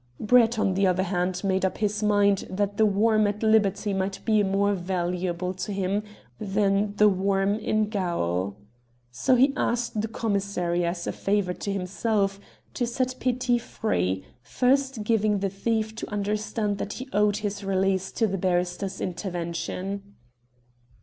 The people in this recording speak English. Brett, on the other hand, made up his mind that "The Worm" at liberty might be more valuable to him than "The Worm" in gaol. So he asked the commissary, as a favour to himself, to set Petit free, first giving the thief to understand that he owed his release to the barrister's intervention.